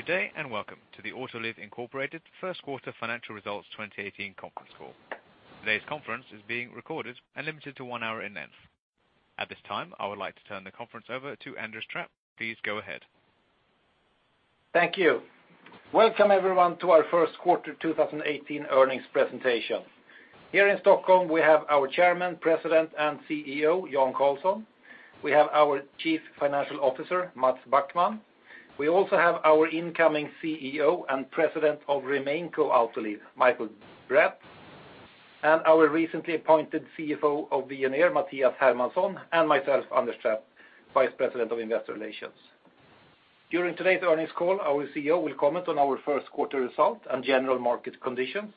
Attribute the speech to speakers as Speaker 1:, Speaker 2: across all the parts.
Speaker 1: Good day, welcome to the Autoliv, Inc. First Quarter Financial Results 2018 conference call. Today's conference is being recorded and limited to one hour in length. At this time, I would like to turn the conference over to Anders Trapp. Please go ahead.
Speaker 2: Thank you. Welcome, everyone, to our first quarter 2018 earnings presentation. Here in Stockholm, we have our Chairman, President, and CEO, Jan Carlson. We have our Chief Financial Officer, Mats Backman. We also have our incoming CEO and President of RemainCo Autoliv, Mikael Bratt, and our recently appointed CFO of Veoneer, Mathias Hermansson, and myself, Anders Trapp, Vice President of Investor Relations. During today's earnings call, our CEO will comment on our first quarter results and general market conditions.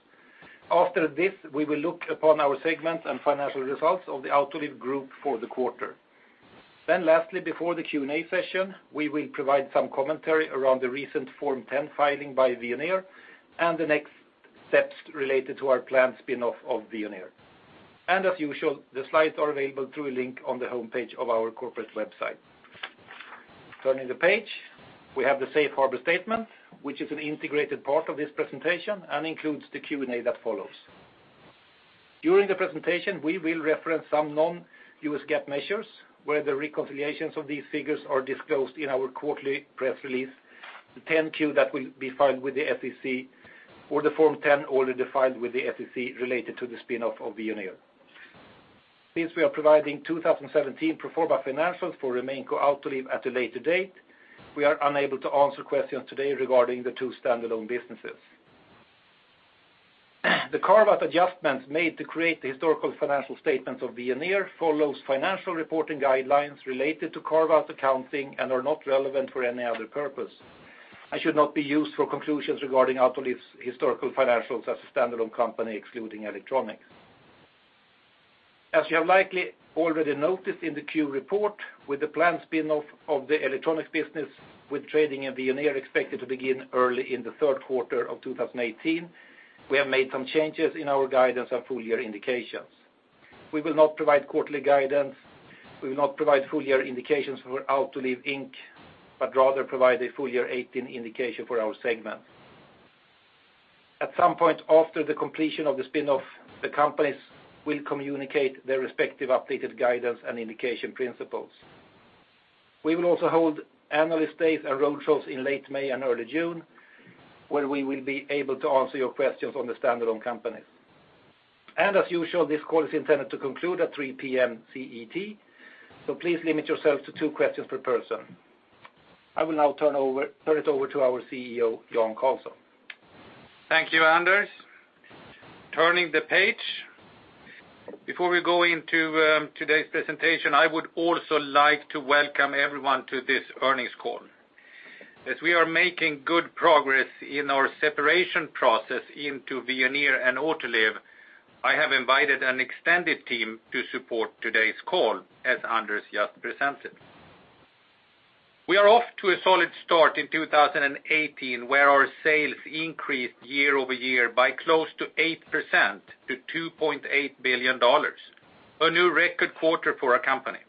Speaker 2: After this, we will look upon our segments and financial results of the Autoliv group for the quarter. Lastly, before the Q&A session, we will provide some commentary around the recent Form 10 filing by Veoneer and the next steps related to our planned spinoff of Veoneer. As usual, the slides are available through a link on the homepage of our corporate website. Turning the page, we have the safe harbor statement, which is an integrated part of this presentation and includes the Q&A that follows. During the presentation, we will reference some non-U.S. GAAP measures, where the reconciliations of these figures are disclosed in our quarterly press release, the 10-Q that will be filed with the SEC, or the Form 10 already filed with the SEC related to the spinoff of Veoneer. Since we are providing 2017 pro forma financials for RemainCo Autoliv at a later date, we are unable to answer questions today regarding the two standalone businesses. The carve-out adjustments made to create the historical financial statements of Veoneer follows financial reporting guidelines related to carve-out accounting and are not relevant for any other purpose and should not be used for conclusions regarding Autoliv's historical financials as a standalone company excluding electronics. As you have likely already noticed in the Q report, with the planned spinoff of the electronics business, with trading in Veoneer expected to begin early in the third quarter of 2018, we have made some changes in our guidance and full-year indications. We will not provide quarterly guidance. We will not provide full-year indications for Autoliv Inc. Rather provide a full year 2018 indication for our segment. At some point after the completion of the spinoff, the companies will communicate their respective updated guidance and indication principles. We will also hold analyst days and road shows in late May and early June, where we will be able to answer your questions on the standalone companies. As usual, this call is intended to conclude at 3:00 P.M. CET, so please limit yourself to two questions per person. I will now turn it over to our CEO, Jan Carlson.
Speaker 3: Thank you, Anders. Turning the page. Before we go into today's presentation, I would also like to welcome everyone to this earnings call. As we are making good progress in our separation process into Veoneer and Autoliv, I have invited an extended team to support today's call, as Anders just presented. We are off to a solid start in 2018, where our sales increased year-over-year by close to 8% to $2.8 billion, a new record quarter for our company.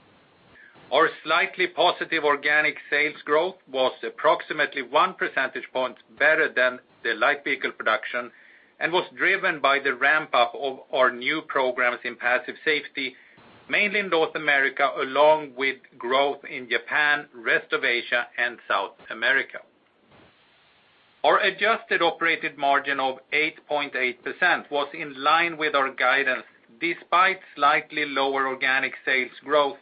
Speaker 3: Our slightly positive organic sales growth was approximately one percentage point better than the light vehicle production and was driven by the ramp-up of our new programs in Passive Safety, mainly in North America, along with growth in Japan, rest of Asia, and South America. Our adjusted operated margin of 8.8% was in line with our guidance, despite slightly lower organic sales growth,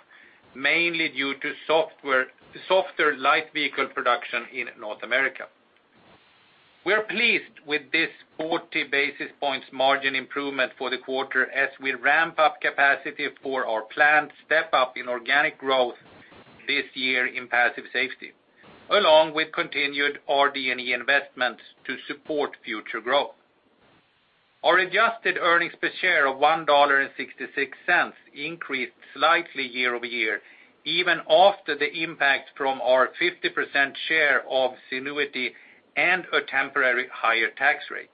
Speaker 3: mainly due to softer light vehicle production in North America. We are pleased with this 40 basis points margin improvement for the quarter, as we ramp up capacity for our planned step-up in organic growth this year in Passive Safety, along with continued RD&E investments to support future growth. Our adjusted earnings per share of $1.66 increased slightly year-over-year, even after the impact from our 50% share of Zenuity and a temporarily higher tax rate.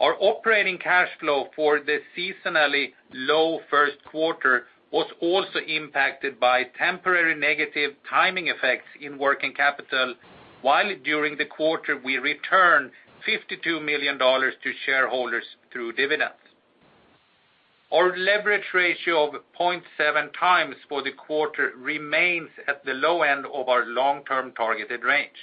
Speaker 3: Our operating cash flow for the seasonally low first quarter was also impacted by temporary negative timing effects in working capital, while during the quarter, we returned $52 million to shareholders through dividends. Our leverage ratio of 0.7 times for the quarter remains at the low end of our long-term targeted range.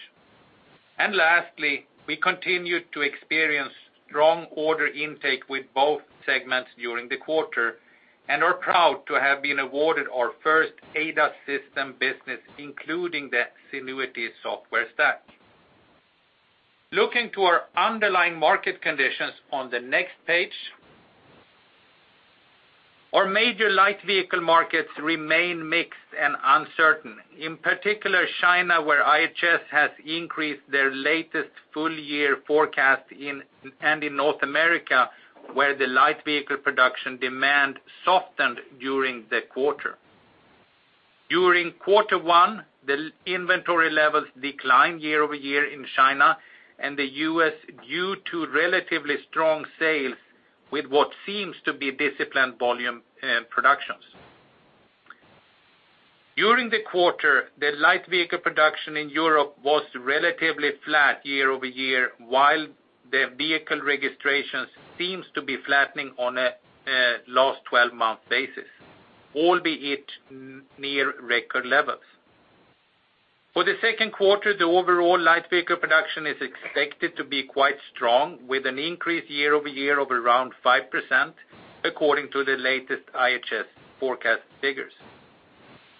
Speaker 3: Lastly, we continued to experience strong order intake with both segments during the quarter and are proud to have been awarded our first ADAS system business, including the Zenuity software stack. Looking to our underlying market conditions on the next page, our major light vehicle markets remain mixed and uncertain, in particular China, where IHS has increased their latest full-year forecast, and in North America, where the light vehicle production demand softened during the quarter. During quarter one, the inventory levels declined year-over-year in China and the U.S. due to relatively strong sales with what seems to be disciplined volume and productions. During the quarter, the light vehicle production in Europe was relatively flat year-over-year, while the vehicle registrations seems to be flattening on a last 12-month basis, albeit near record levels. For the second quarter, the overall light vehicle production is expected to be quite strong, with an increase year-over-year of around 5%, according to the latest IHS forecast figures.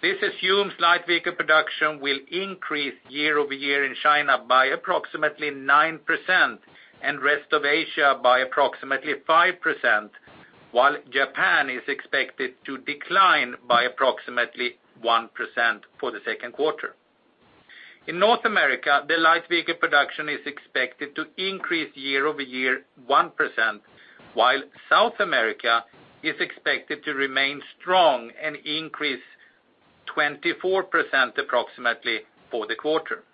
Speaker 3: This assumes light vehicle production will increase year-over-year in China by approximately 9% and rest of Asia by approximately 5%, while Japan is expected to decline by approximately 1% for the second quarter. In North America, the light vehicle production is expected to increase year-over-year 1%, while South America is expected to remain strong and increase 24% approximately for the quarter.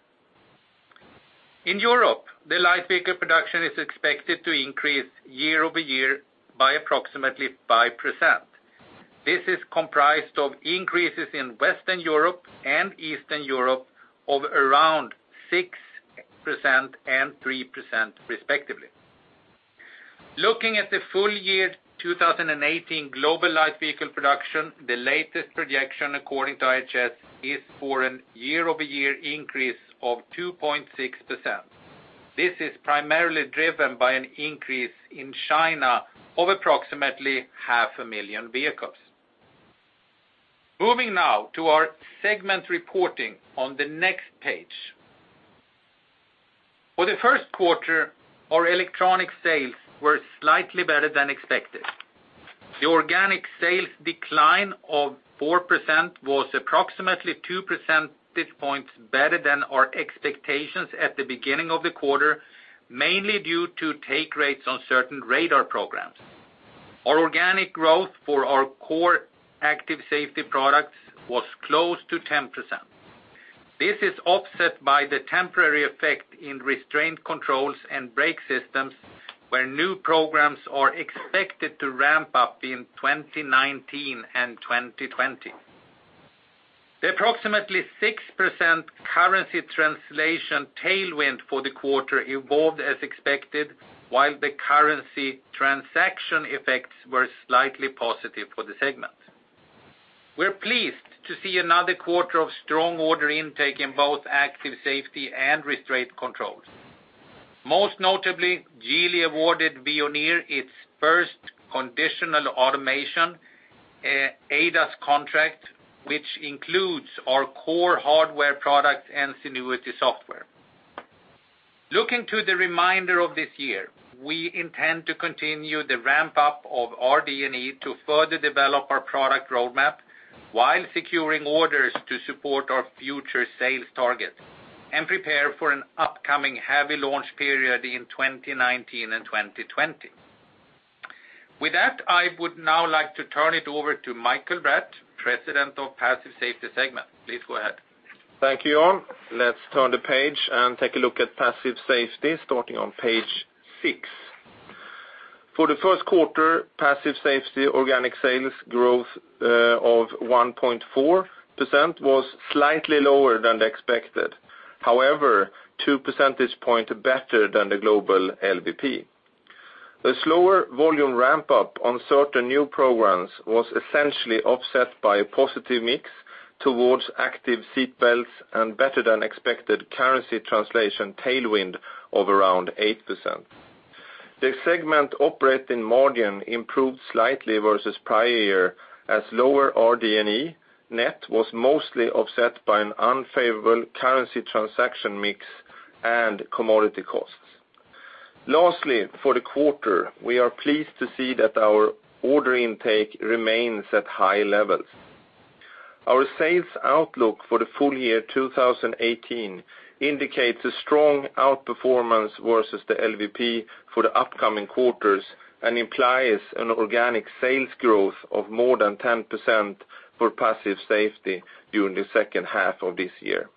Speaker 3: In Europe, the light vehicle production is expected to increase year-over-year by approximately 5%. This is comprised of increases in Western Europe and Eastern Europe of around 6% and 3% respectively. Looking at the full year 2018 global light vehicle production, the latest projection according to IHS is for a year-over-year increase of 2.6%. This is primarily driven by an increase in China of approximately half a million vehicles. Moving now to our segment reporting on the next page. For the first quarter, our electronic sales were slightly better than expected. The organic sales decline of 4% was approximately two percentage points better than our expectations at the beginning of the quarter, mainly due to take rates on certain radar programs. Our organic growth for our core active safety products was close to 10%. This is offset by the temporary effect in restraint controls and brake systems, where new programs are expected to ramp up in 2019 and 2020. The approximately 6% currency translation tailwind for the quarter evolved as expected, while the currency transaction effects were slightly positive for the segment. We are pleased to see another quarter of strong order intake in both active safety and restraint controls. Most notably, Geely awarded Veoneer its first conditional automation ADAS contract, which includes our core hardware product and Zenuity software. Looking to the remainder of this year, we intend to continue the ramp-up of RD&E to further develop our product roadmap while securing orders to support our future sales targets and prepare for an upcoming heavy launch period in 2019 and 2020. With that, I would now like to turn it over to Mikael Bratt, President of Passive Safety segment. Please go ahead.
Speaker 4: Thank you, Jan. Let's turn the page and take a look at Passive Safety starting on page six. For the first quarter, Passive Safety organic sales growth of 1.4% was slightly lower than expected. However, two percentage points better than the global LVP. The slower volume ramp-up on certain new programs was essentially offset by a positive mix towards active seat belts and better than expected currency translation tailwind of around 8%. The segment operating margin improved slightly versus prior year, as lower RD&E net was mostly offset by an unfavorable currency transaction mix and commodity costs. Lastly, for the quarter, we are pleased to see that our order intake remains at high levels. Our sales outlook for the full year 2018 indicates a strong outperformance versus the LVP for the upcoming quarters and implies an organic sales growth of more than 10% for Passive Safety during the second half of this year.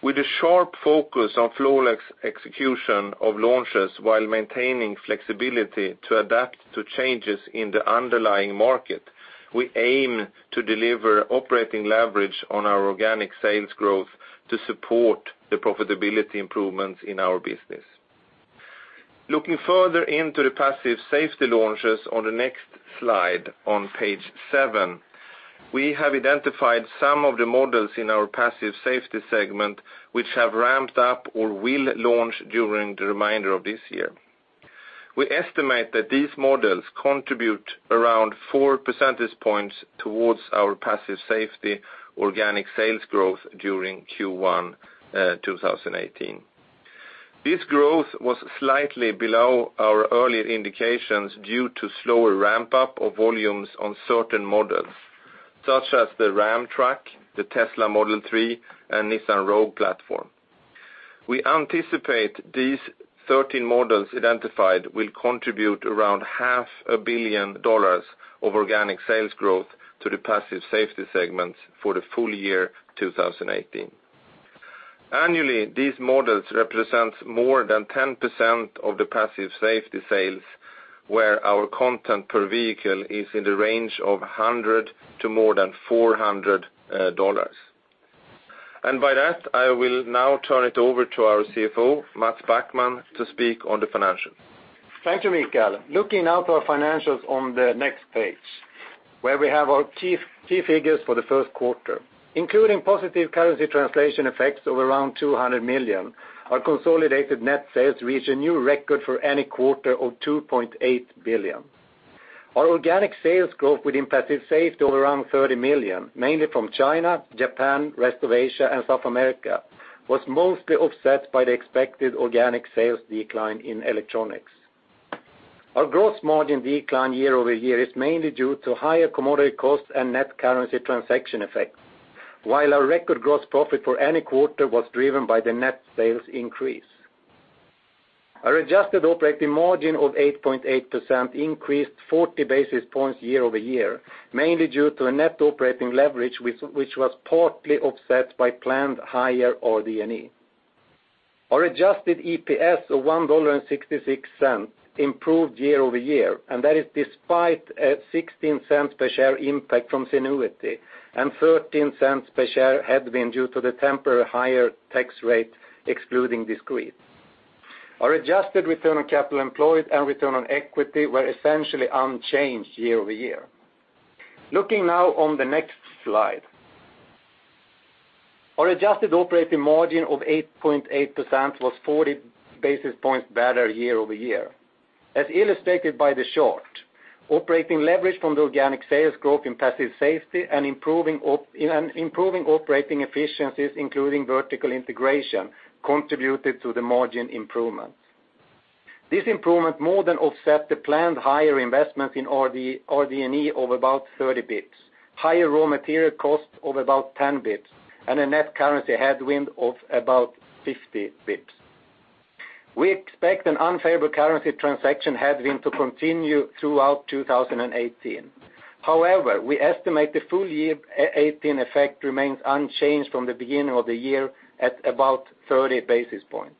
Speaker 4: With a sharp focus on flawless execution of launches while maintaining flexibility to adapt to changes in the underlying market, we aim to deliver operating leverage on our organic sales growth to support the profitability improvements in our business. Looking further into the Passive Safety launches on the next slide on page seven, we have identified some of the models in our Passive Safety segment which have ramped up or will launch during the remainder of this year. We estimate that these models contribute around four percentage points towards our Passive Safety organic sales growth during Q1 2018. This growth was slightly below our earlier indications due to slower ramp-up of volumes on certain models, such as the Ram truck, the Tesla Model 3, and Nissan Rogue platform. We anticipate these 13 models identified will contribute around half a billion dollars of organic sales growth to the Passive Safety segments for the full year 2018. Annually, these models represent more than 10% of the Passive Safety sales, where our content per vehicle is in the range of $100 to more than $400. By that, I will now turn it over to our CFO, Mats Backman, to speak on the financials.
Speaker 5: Thank you, Mikael. Looking now to our financials on the next page, where we have our key figures for the first quarter. Including positive currency translation effects of around $200 million, our consolidated net sales reach a new record for any quarter of $2.8 billion. Our organic sales growth within Passive Safety of around $30 million, mainly from China, Japan, rest of Asia, and South America, was mostly offset by the expected organic sales decline in Electronics. Our gross margin decline year-over-year is mainly due to higher commodity costs and net currency transaction effects. Our record gross profit for any quarter was driven by the net sales increase. Our adjusted operating margin of 8.8% increased 40 basis points year-over-year, mainly due to a net operating leverage, which was partly offset by planned higher RD&E. Our adjusted EPS of $1.66 improved year-over-year, that is despite a $0.16 per share impact from Zenuity and $0.13 per share headwind due to the temporary higher tax rate, excluding discrete. Our adjusted return on capital employed and return on equity were essentially unchanged year-over-year. Looking now on the next slide. Our adjusted operating margin of 8.8% was 40 basis points better year-over-year. As illustrated by the chart, operating leverage from the organic sales growth in Passive Safety and improving operating efficiencies, including vertical integration, contributed to the margin improvements. This improvement more than offset the planned higher investments in RD&E of about 30 basis points, higher raw material costs of about 10 basis points, and a net currency headwind of about 50 basis points. We expect an unfavorable currency transaction headwind to continue throughout 2018. We estimate the full year 2018 effect remains unchanged from the beginning of the year at about 30 basis points.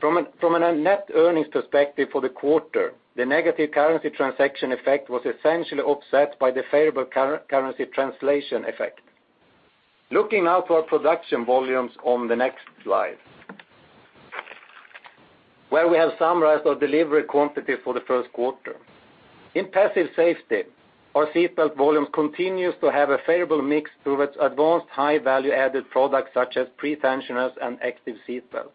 Speaker 5: From a net earnings perspective for the quarter, the negative currency transaction effect was essentially offset by the favorable currency translation effect. Looking now to our production volumes on the next slide, where we have summarized our delivery quantity for the first quarter. In Passive Safety, our seatbelt volumes continues to have a favorable mix towards advanced high-value added products such as pretensioners and active seatbelts.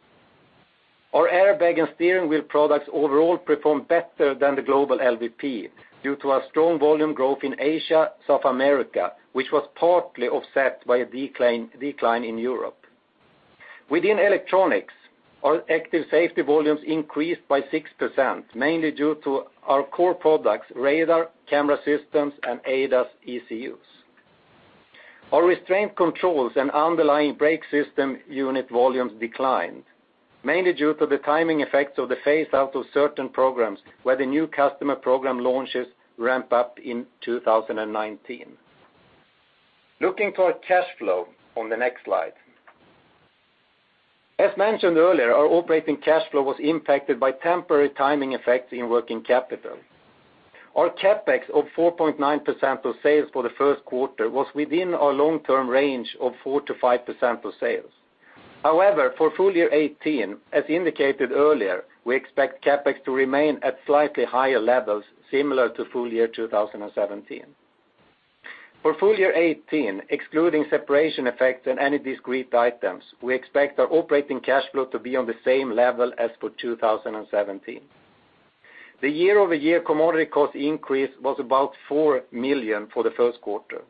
Speaker 5: Our airbag and steering wheel products overall performed better than the global LVP due to our strong volume growth in Asia, South America, which was partly offset by a decline in Europe. Within Electronics, our active safety volumes increased by 6%, mainly due to our core products, radar, camera systems, and ADAS ECUs. Our restraint controls and underlying brake system unit volumes declined, mainly due to the timing effects of the phase-out of certain programs where the new customer program launches ramp up in 2019. Looking to our cash flow on the next slide. As mentioned earlier, our operating cash flow was impacted by temporary timing effects in working capital. Our CapEx of 4.9% of sales for the first quarter was within our long-term range of 4%-5% of sales. However, for full year 2018, as indicated earlier, we expect CapEx to remain at slightly higher levels similar to full year 2017. For full year 2018, excluding separation effects and any discrete items, we expect our operating cash flow to be on the same level as for 2017. The year-over-year commodity cost increase was about $4 million for the first quarter.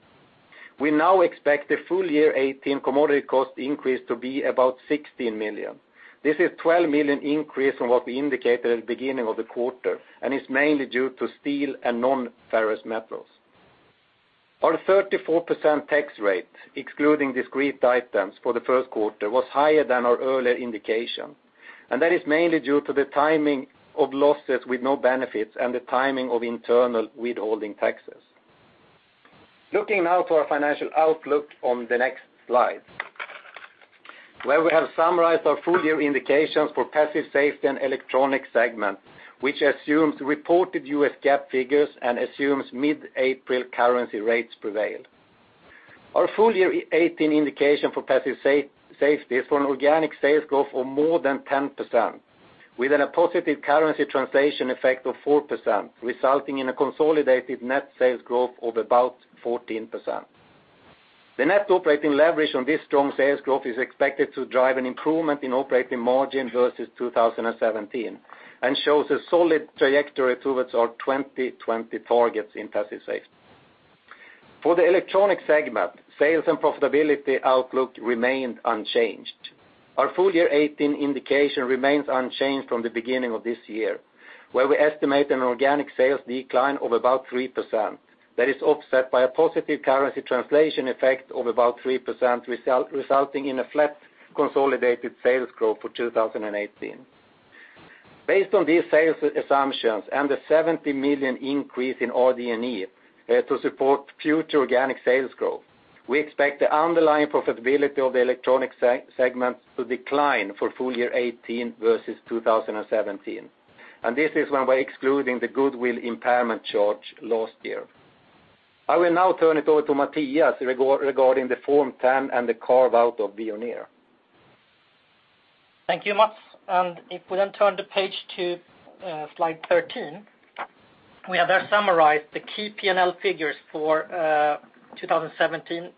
Speaker 5: We now expect the full year 2018 commodity cost increase to be about $16 million. This is a $12 million increase from what we indicated at the beginning of the quarter and is mainly due to steel and non-ferrous metals. Our 34% tax rate, excluding discrete items for the first quarter, was higher than our earlier indication, that is mainly due to the timing of losses with no benefits and the timing of internal withholding taxes. Looking now to our financial outlook on the next slide, where we have summarized our full year indications for Passive Safety and electronic segment, which assumes reported U.S. GAAP figures and assumes mid-April currency rates prevail. Our full year 2018 indication for Passive Safety is for an organic sales growth of more than 10%, with a positive currency translation effect of 4%, resulting in a consolidated net sales growth of about 14%. The net operating leverage on this strong sales growth is expected to drive an improvement in operating margin versus 2017 and shows a solid trajectory towards our 2020 targets in Passive Safety. For the electronic segment, sales and profitability outlook remained unchanged. Our full year 2018 indication remains unchanged from the beginning of this year, where we estimate an organic sales decline of about 3%. That is offset by a positive currency translation effect of about 3%, resulting in a flat consolidated sales growth for 2018.
Speaker 3: Based on these sales assumptions and the $70 million increase in RD&E to support future organic sales growth, we expect the underlying profitability of the electronic segment to decline for full year 2018 versus 2017. This is when we are excluding the goodwill impairment charge last year. I will now turn it over to Mathias regarding the Form 10 and the carve-out of Veoneer.
Speaker 6: Thank you, Mats. If we turn to page two, slide 13, we have there summarized the key P&L figures for 2017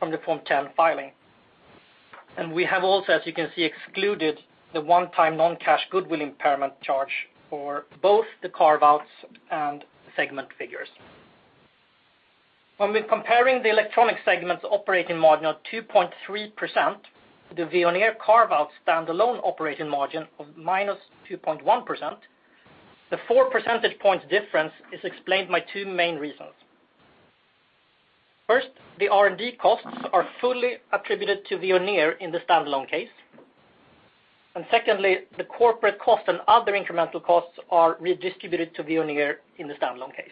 Speaker 6: from the Form 10 filing. We have also, as you can see, excluded the one-time non-cash goodwill impairment charge for both the carve-outs and segment figures. When we are comparing the electronics segment's operating margin of 2.3%, the Veoneer carve-out standalone operating margin of -2.1%, the four percentage points difference is explained by two main reasons. First, the R&D costs are fully attributed to Veoneer in the standalone case. Secondly, the corporate cost and other incremental costs are redistributed to Veoneer in the standalone case.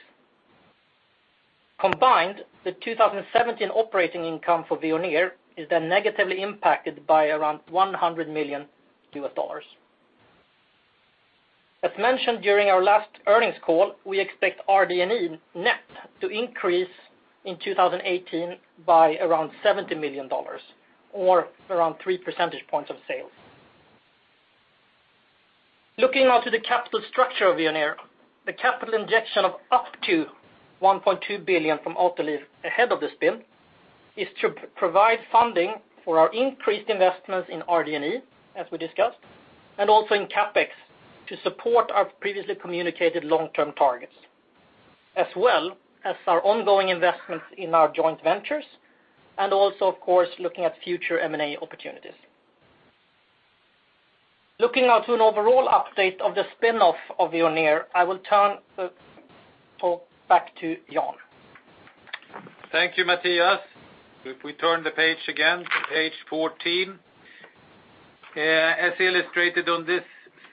Speaker 6: Combined, the 2017 operating income for Veoneer is then negatively impacted by around $100 million. As mentioned during our last earnings call, we expect RD&E net to increase in 2018 by around $70 million, or around three percentage points of sales. Looking now to the capital structure of Veoneer, the capital injection of up to $1.2 billion from Autoliv ahead of the spin is to provide funding for our increased investments in RD&E, as we discussed, and also in CapEx to support our previously communicated long-term targets, as well as our ongoing investments in our joint ventures, and also, of course, looking at future M&A opportunities. Looking now to an overall update of the spin-off of Veoneer, I will turn the talk back to Jan.
Speaker 3: Thank you, Matthias. If we turn the page again to page 14, as illustrated on this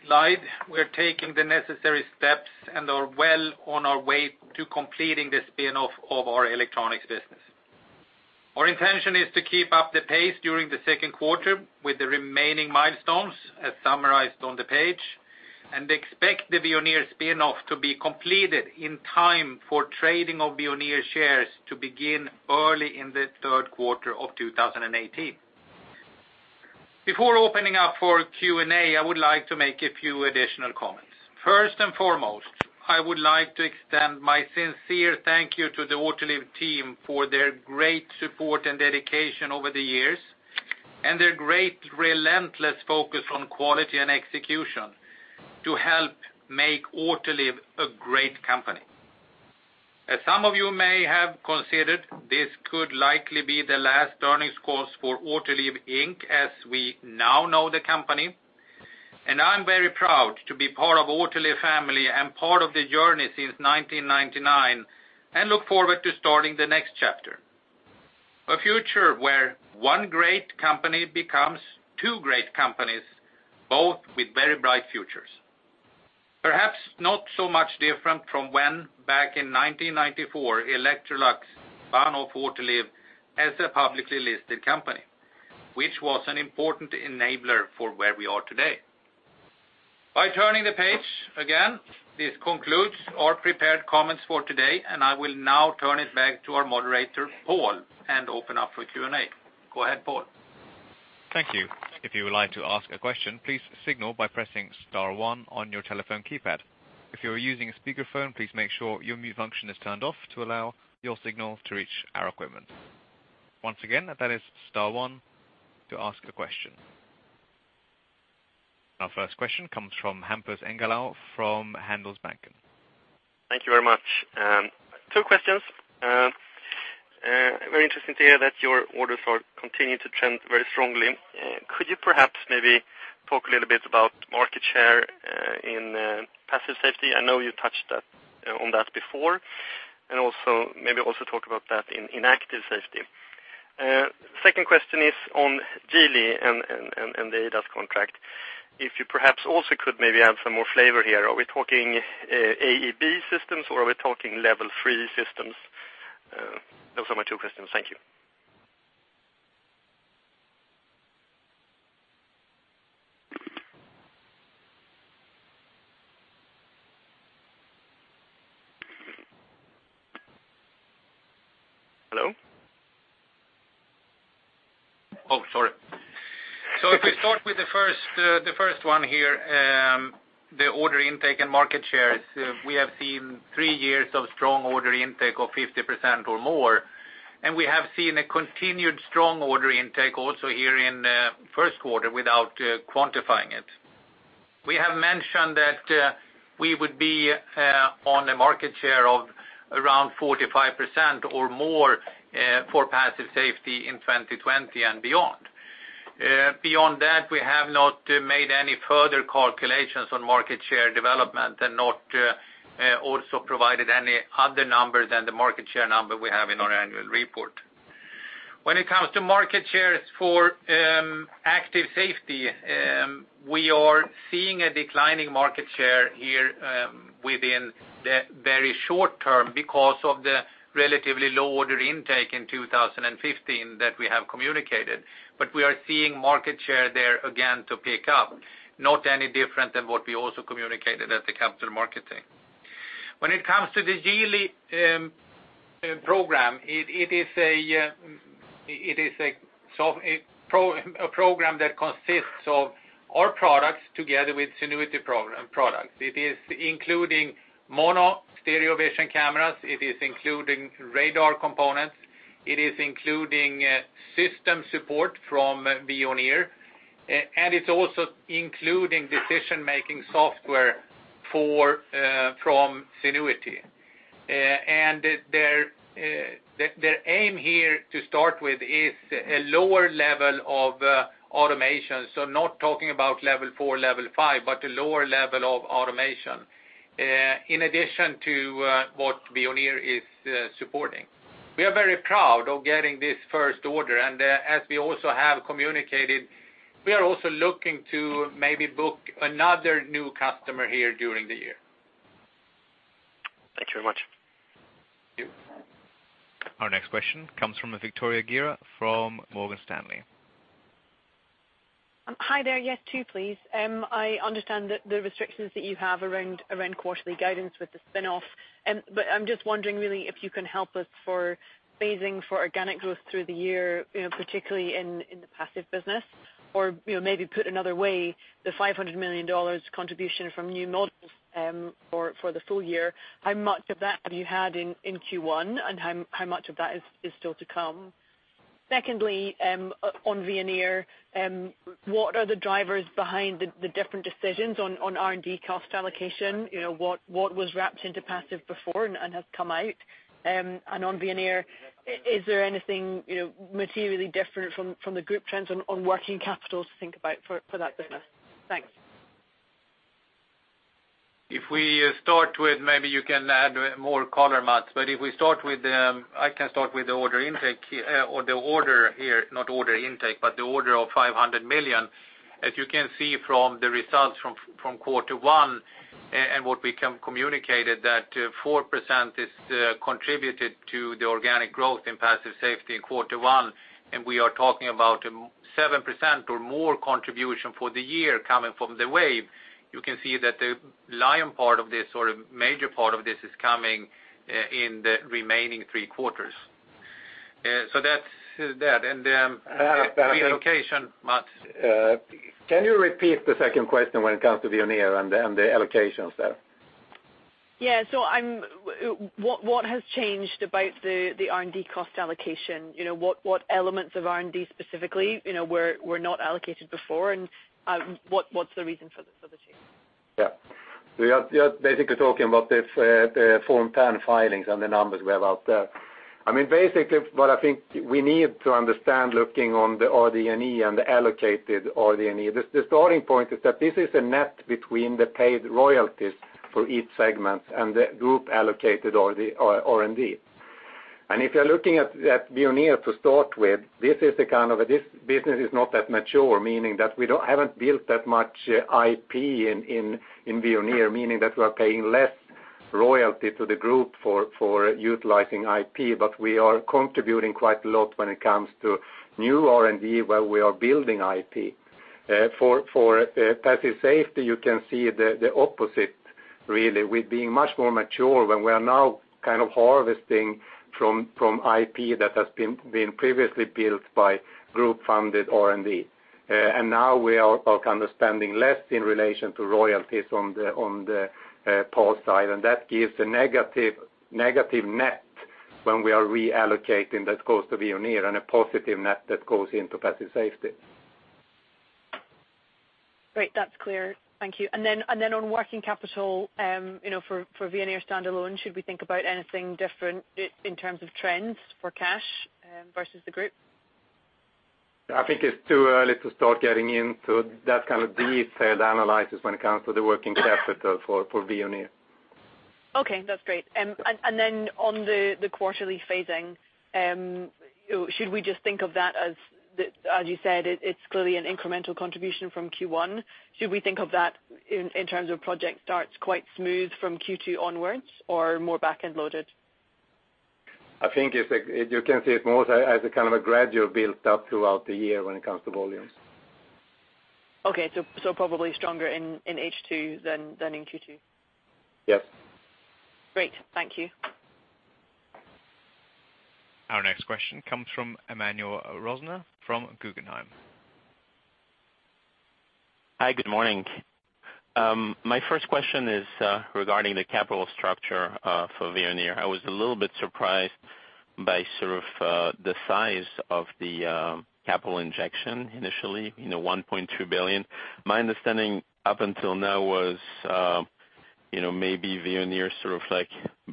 Speaker 3: slide, we are taking the necessary steps and are well on our way to completing the spin-off of our electronics business. Our intention is to keep up the pace during the second quarter with the remaining milestones, as summarized on the page, and expect the Veoneer spin-off to be completed in time for trading of Veoneer shares to begin early in the third quarter of 2018. Before opening up for Q&A, I would like to make a few additional comments. First and foremost, I would like to extend my sincere thank you to the Autoliv team for their great support and dedication over the years, and their great relentless focus on quality and execution to help make Autoliv a great company. As some of you may have considered, this could likely be the last earnings call for Autoliv Inc. as we now know the company, and I am very proud to be part of Autoliv family and part of the journey since 1999, and look forward to starting the next chapter. A future where one great company becomes two great companies, both with very bright futures. Perhaps not so much different from when, back in 1994, Electrolux spun off Autoliv as a publicly listed company, which was an important enabler for where we are today. Turning the page again, this concludes our prepared comments for today, and I will now turn it back to our moderator, Paul, and open up for Q&A. Go ahead, Paul.
Speaker 1: Thank you. If you would like to ask a question, please signal by pressing star one on your telephone keypad. If you are using a speakerphone, please make sure your mute function is turned off to allow your signal to reach our equipment. Once again, that is star one to ask a question. Our first question comes from Hampus Engellau from Handelsbanken.
Speaker 7: Thank you very much. Two questions. Very interesting to hear that your orders are continuing to trend very strongly. Could you perhaps maybe talk a little bit about market share in Passive Safety? I know you touched on that before, and also maybe also talk about that in active safety. Second question is on Geely and the ADAS contract. If you perhaps also could maybe add some more flavor here. Are we talking AEB systems or are we talking level 3 systems? Those are my two questions. Thank you. Hello?
Speaker 3: Oh, sorry. If we start with the first one here, the order intake and market shares. We have seen three years of strong order intake of 50% or more, and we have seen a continued strong order intake also here in first quarter without quantifying it. We have mentioned that we would be on a market share of around 45% or more for Passive Safety in 2020 and beyond. Beyond that, we have not made any further calculations on market share development and not also provided any other number than the market share number we have in our annual report. When it comes to market shares for active safety, we are seeing a declining market share here within the very short term because of the relatively low order intake in 2015 that we have communicated. We are seeing market share there again to pick up, not any different than what we also communicated at the Capital Markets Day. When it comes to the Geely program, it is a program that consists of our products together with Zenuity products. It is including (mono stereo vision cameras), it is including radar components, it is including system support from Veoneer, and it is also including decision-making software from Zenuity. Their aim here to start with is a lower level of automation. Not talking about level 4, level 5, but a lower level of automation in addition to what Veoneer is supporting. We are very proud of getting this first order, as we also have communicated, we are also looking to maybe book another new customer here during the year.
Speaker 7: Thank you very much.
Speaker 3: Thank you.
Speaker 1: Our next question comes from Victoria Sgarro from Morgan Stanley.
Speaker 8: Hi there. Yes, two please. I understand the restrictions that you have around quarterly guidance with the spin-off, but I am just wondering really if you can help us for phasing for organic growth through the year, particularly in the Passive Safety business. Or maybe put another way, the $500 million contribution from new models for the full year, how much of that have you had in Q1, and how much of that is still to come? Secondly, on Veoneer, what are the drivers behind the different decisions on R&D cost allocation? What was wrapped into Passive Safety before and has come out? And on Veoneer, is there anything materially different from the group trends on working capital to think about for that business? Thanks.
Speaker 3: If we start with, maybe you can add more color, Mats, but I can start with the order intake or the order here, not order intake, but the order of $500 million. As you can see from the results from quarter one and what we communicated, that 4% is contributed to the organic growth in Passive Safety in quarter one, and we are talking about 7% or more contribution for the year coming from the wave. You can see that the lion part of this, or the major part of this, is coming in the remaining three quarters. That's that. Then reallocation, Mats.
Speaker 5: Can you repeat the second question when it comes to Veoneer and the allocations there?
Speaker 8: What has changed about the R&D cost allocation? What elements of R&D specifically were not allocated before, and what's the reason for the change?
Speaker 5: You're basically talking about the Form 10 filings and the numbers we have out there. Basically, what I think we need to understand looking on the RD&E and the allocated RD&E, the starting point is that this is a net between the paid royalties for each segment and the group-allocated R&D. If you're looking at Veoneer to start with, this business is not that mature, meaning that we haven't built that much IP in Veoneer, meaning that we are paying less royalty to the group for utilizing IP, but we are contributing quite a lot when it comes to new R&D where we are building IP. For Passive Safety, you can see the opposite, really. We're being much more mature when we are now kind of harvesting from IP that has been previously built by group-funded R&D. Now we are kind of spending less in relation to royalties on the pulse side, and that gives a negative net when we are reallocating. That goes to Veoneer and a positive net that goes into Passive Safety.
Speaker 8: Great. That's clear. Thank you. Then on working capital, for Veoneer standalone, should we think about anything different in terms of trends for cash versus the group?
Speaker 5: I think it's too early to start getting into that kind of detailed analysis when it comes to the working capital for Veoneer.
Speaker 8: Okay, that's great. Then on the quarterly phasing, should we just think of that as you said, it's clearly an incremental contribution from Q1. Should we think of that in terms of project starts quite smooth from Q2 onwards or more back-end loaded?
Speaker 5: I think you can see it more as a kind of a gradual build-up throughout the year when it comes to volumes.
Speaker 8: Okay. Probably stronger in H2 than in Q2.
Speaker 5: Yes.
Speaker 8: Great. Thank you.
Speaker 1: Our next question comes from Emmanuel Rosner from Guggenheim.
Speaker 9: Hi, good morning. My first question is regarding the capital structure for Veoneer. I was a little bit surprised by the size of the capital injection initially, $1.2 billion. My understanding up until now was maybe Veoneer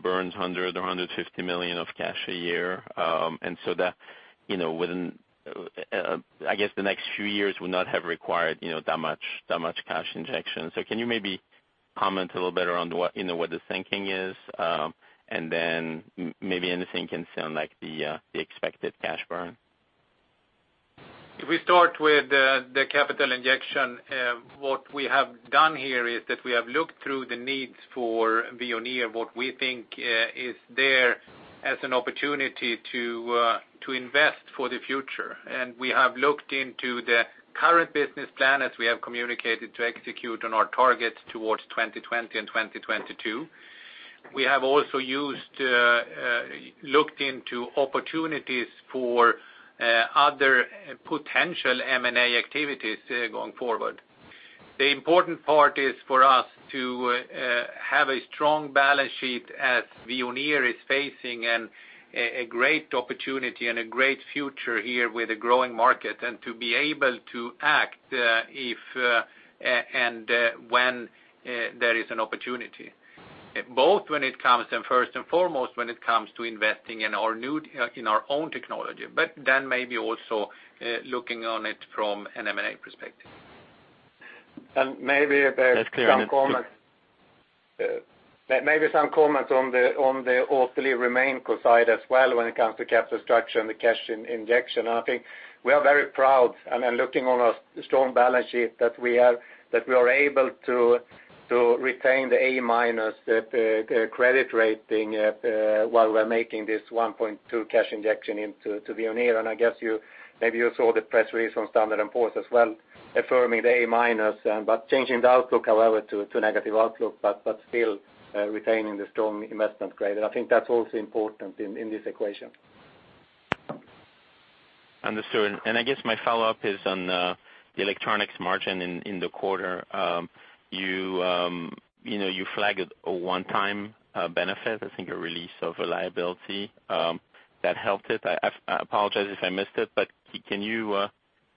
Speaker 9: burns $100 million or $150 million of cash a year. That within I guess the next few years would not have required that much cash injection. Can you maybe comment a little better on what the thinking is, then maybe anything concerning the expected cash burn?
Speaker 3: If we start with the capital injection, what we have done here is that we have looked through the needs for Veoneer, what we think is there as an opportunity to invest for the future. We have looked into the current business plan, as we have communicated, to execute on our targets towards 2020 and 2022. We have also looked into opportunities for other potential M&A activities going forward. The important part is for us to have a strong balance sheet as Veoneer is facing a great opportunity and a great future here with a growing market, to be able to act if and when there is an opportunity. Both when it comes to, first and foremost, when it comes to investing in our own technology, maybe also looking on it from an M&A perspective. Maybe there's some comments-
Speaker 9: That's clear.
Speaker 3: Maybe some comments on the Autoliv remaining side as well when it comes to capital structure and the cash injection. I think we are very proud, looking on a strong balance sheet that we are able to retain the A- credit rating while we're making this $1.2 cash injection into Veoneer, I guess maybe you saw the press release from Standard & Poor's as well, affirming the A- changing the outlook, however, to negative outlook, still retaining the strong investment grade. I think that's also important in this equation.
Speaker 9: Understood. I guess my follow-up is on the electronics margin in the quarter. You flagged a one-time benefit, I think a release of a liability that helped it. I apologize if I missed it, but can you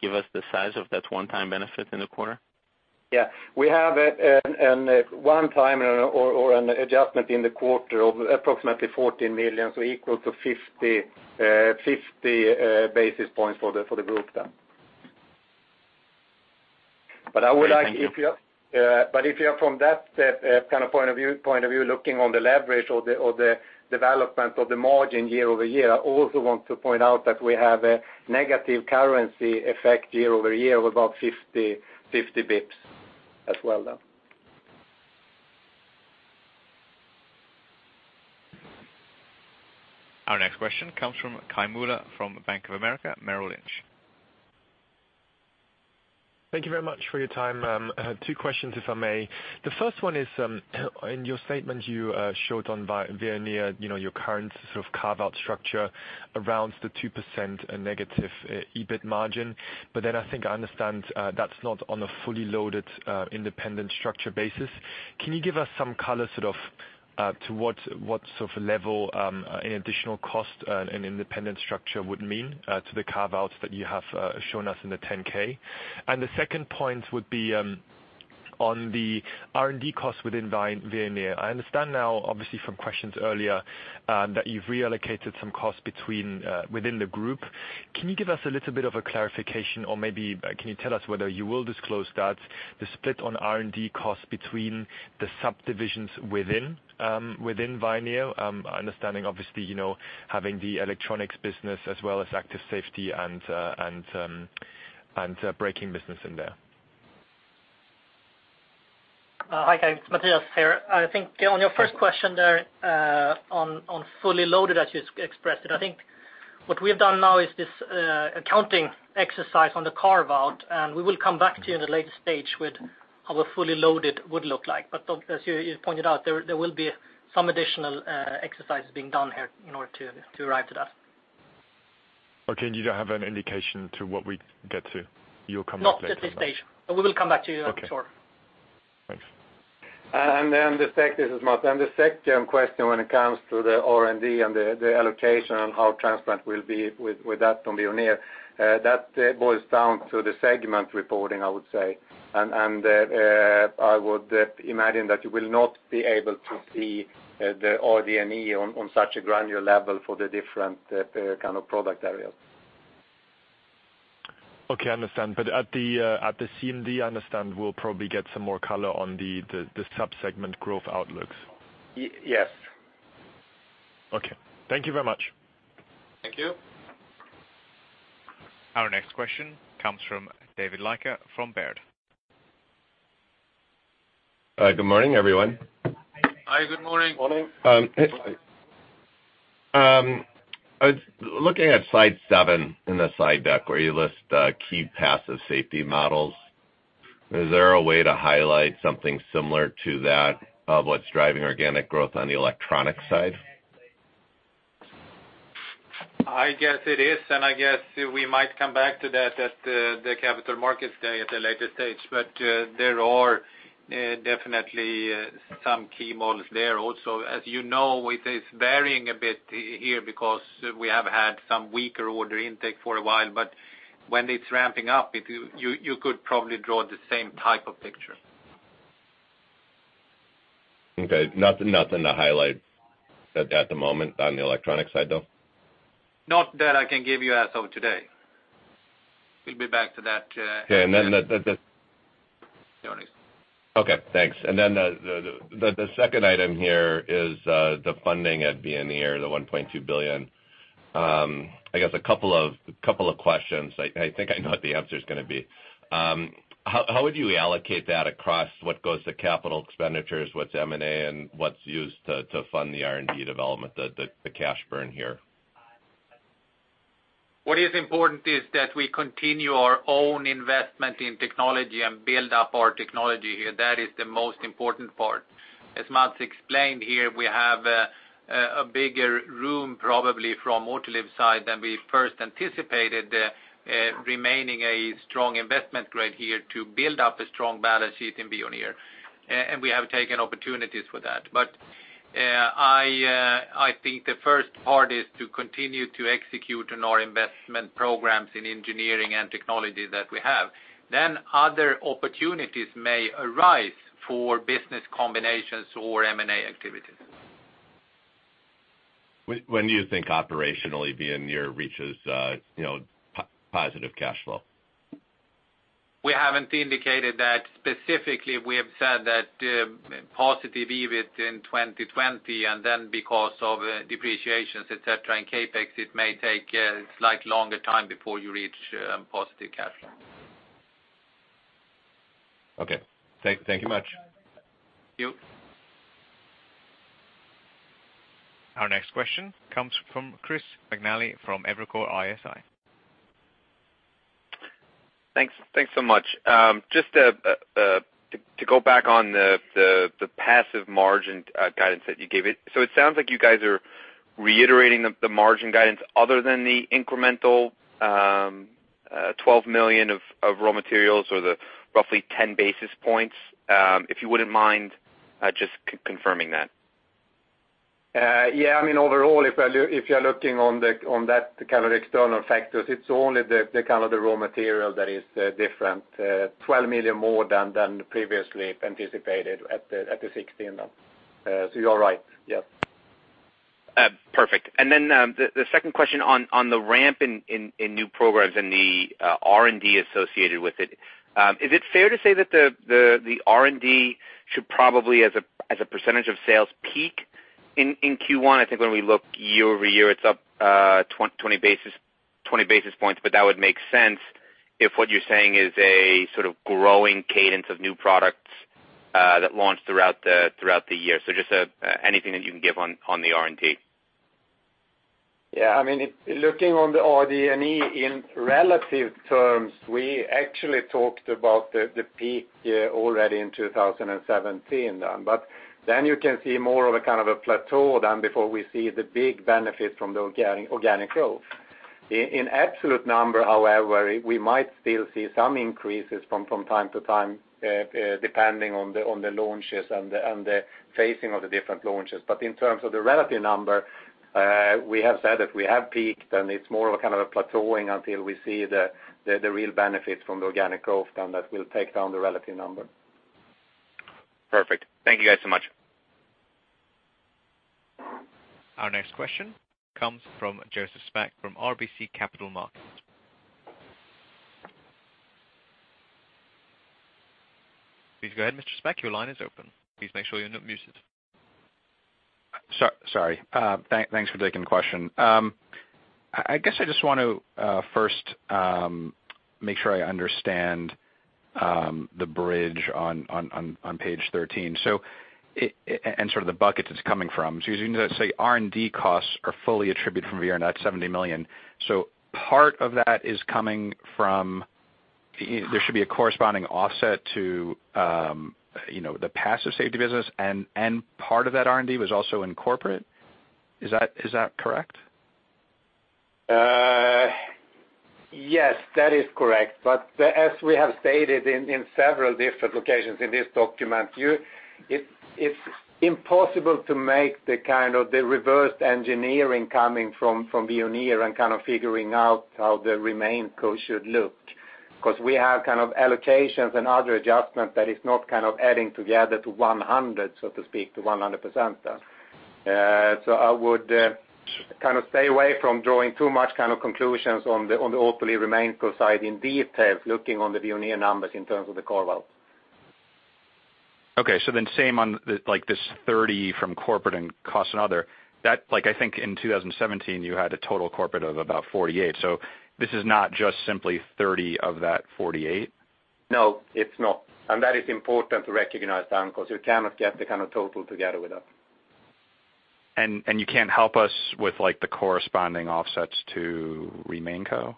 Speaker 9: give us the size of that one-time benefit in the quarter?
Speaker 5: Yeah. We have a one-time or an adjustment in the quarter of approximately $14 million, equal to 50 basis points for the group then.
Speaker 9: Okay, thank you.
Speaker 5: If you are from that kind of point of view looking on the leverage or the development of the margin year-over-year, I also want to point out that we have a negative currency effect year-over-year of about 50 basis points as well, though.
Speaker 1: Our next question comes from Kai Mueller from Bank of America Merrill Lynch.
Speaker 10: Thank you very much for your time. Two questions, if I may. The first one is, in your statement you showed on Veoneer your current sort of carve-out structure around the 2% negative EBIT margin. I think I understand that's not on a fully loaded independent structure basis. Can you give us some color sort of to what sort of level an additional cost and independent structure would mean to the carve-outs that you have shown us in the 10-K? The second point would be on the R&D cost within Veoneer. I understand now, obviously from questions earlier, that you've reallocated some costs within the group. Can you give us a little bit of a clarification or maybe can you tell us whether you will disclose that, the split on R&D costs between the subdivisions within Veoneer? Understanding, obviously, having the electronics business as well as active safety and braking business in there.
Speaker 6: Hi Kai, Matthias here. I think on your first question there on fully loaded, as you expressed it, I think what we've done now is this accounting exercise on the carve-out, and we will come back to you in a later stage with how a fully loaded would look like. As you pointed out, there will be some additional exercises being done here in order to arrive to that.
Speaker 10: Okay, you don't have an indication to what we'd get to? You will come back later on that.
Speaker 6: Not at this stage. We will come back to you, I'm sure.
Speaker 10: Okay. Thanks.
Speaker 5: The second, this is Mats, and the second question when it comes to the R&D and the allocation and how transparent we'll be with that on Veoneer, that boils down to the segment reporting, I would say. I would imagine that you will not be able to see the RD&E on such a granular level for the different kind of product areas.
Speaker 10: Okay, understand. At the CMD, I understand we'll probably get some more color on the sub-segment growth outlooks.
Speaker 3: Yes.
Speaker 10: Okay. Thank you very much.
Speaker 3: Thank you.
Speaker 1: Our next question comes from David Leiker from Baird.
Speaker 11: Hi, good morning, everyone.
Speaker 3: Hi, good morning. Morning.
Speaker 11: I was looking at slide seven in the slide deck where you list key Passive Safety models. Is there a way to highlight something similar to that of what's driving organic growth on the electronic side?
Speaker 3: I guess it is, and I guess we might come back to that at the Capital Markets Day at a later stage. There are definitely some key models there also. As you know, it is varying a bit here because we have had some weaker order intake for a while, but when it is ramping up, you could probably draw the same type of picture.
Speaker 11: Okay. Nothing to highlight at the moment on the electronics side, though?
Speaker 3: Not that I can give you as of today. We'll be back to that.
Speaker 11: Yeah.
Speaker 3: Go on.
Speaker 11: Okay, thanks. The second item here is the funding at Veoneer, the $1.2 billion. I guess a couple of questions. I think I know what the answer is going to be. How would you allocate that across what goes to capital expenditures, what's M&A, and what's used to fund the R&D development, the cash burn here?
Speaker 3: What is important is that we continue our own investment in technology and build up our technology here. That is the most important part. As Mats explained here, we have a bigger room probably from Autoliv side than we first anticipated, remaining a strong investment grade here to build up a strong balance sheet in Veoneer. We have taken opportunities for that. I think the first part is to continue to execute on our investment programs in engineering and technology that we have. Other opportunities may arise for business combinations or M&A activities.
Speaker 11: When do you think operationally Veoneer reaches positive cash flow?
Speaker 3: We haven't indicated that specifically. We have said that positive EBIT in 2020, because of depreciations, et cetera, and CapEx, it may take a slight longer time before you reach positive cash flow.
Speaker 11: Okay. Thank you much.
Speaker 3: Thank you.
Speaker 1: Our next question comes from Chris McNally from Evercore ISI.
Speaker 12: Thanks so much. Just to go back on the Passive Safety margin guidance that you gave. It sounds like you guys are reiterating the margin guidance other than the incremental $12 million of raw materials or the roughly 10 basis points. If you wouldn't mind just confirming that.
Speaker 3: Yeah, I mean, overall, if you're looking on that kind of external factors, it's only the raw material that is different, $12 million more than previously anticipated at the 16. You are right. Yep.
Speaker 12: Perfect. The second question on the ramp in new programs and the R&D associated with it. Is it fair to say that the R&D should probably, as a percentage of sales, peak in Q1? I think when we look year-over-year, it's up 20 basis points, that would make sense if what you're saying is a sort of growing cadence of new products that launch throughout the year. Just anything that you can give on the R&D.
Speaker 3: Yeah, looking on the RD&E in relative terms, we actually talked about the peak here already in 2017. You can see more of a kind of a plateau than before we see the big benefit from the organic growth. In absolute number, however, we might still see some increases from time to time, depending on the launches and the phasing of the different launches. In terms of the relative number, we have said that we have peaked, and it's more of a plateauing until we see the real benefits from the organic growth, that will take down the relative number.
Speaker 12: Perfect. Thank you guys so much.
Speaker 1: Our next question comes from Joseph Spak from RBC Capital Markets. Please go ahead, Mr. Spak, your line is open. Please make sure you're not muted.
Speaker 13: Sorry. Thanks for taking the question. I guess I just want to first make sure I understand the bridge on page 13, and the bucket it's coming from. You say R&D costs are fully attributed from Veoneer, that $70 million. There should be a corresponding offset to the Passive Safety business, and part of that R&D was also in Corporate. Is that correct?
Speaker 5: Yes, that is correct. As we have stated in several different locations in this document, it's impossible to make the reverse engineering coming from Veoneer and kind of figuring out how the RemainCo should look. We have allocations and other adjustments that is not adding together to 100%. I would stay away from drawing too much conclusions on the Autoliv RemainCo side in detail, looking on the Veoneer numbers in terms of the (core well).
Speaker 13: Okay. Same on this $30 from Corporate and cost and other. I think in 2017, you had a total Corporate of about $48. This is not just simply $30 of that $48?
Speaker 5: No, it's not. That is important to recognize, because you cannot get the total together with that.
Speaker 13: You can't help us with the corresponding offsets to RemainCo?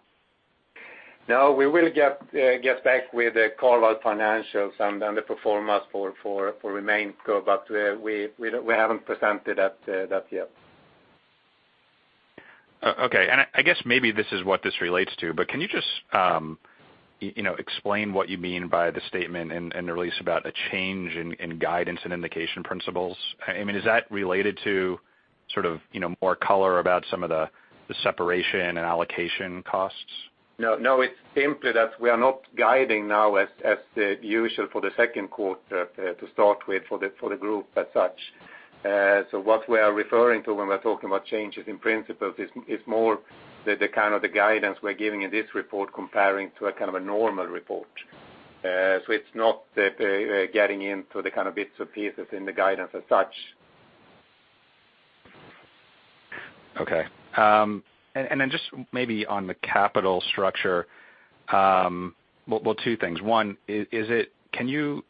Speaker 5: No, we will get back with the (core world) financials and the pro forma for RemainCo, but we haven't presented that yet.
Speaker 13: Okay. I guess maybe this is what this relates to, but can you just explain what you mean by the statement in the release about a change in guidance and indication principles? I mean, is that related to Sort of more color about some of the separation and allocation costs?
Speaker 5: It's simply that we are not guiding now as the usual for the second quarter to start with for the group as such. What we are referring to when we're talking about changes in principles is more the kind of the guidance we're giving in this report comparing to a normal report. It's not the getting into the kind of bits or pieces in the guidance as such.
Speaker 13: Okay. Just maybe on the capital structure, well, 2 things. 1, can you